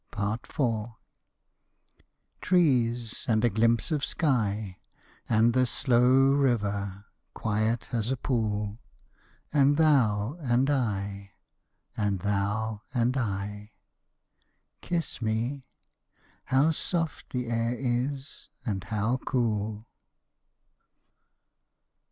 IV. Trees and a glimpse of sky! And the slow river, quiet as a pool! And thou and I and thou and I Kiss me! How soft the air is and how cool!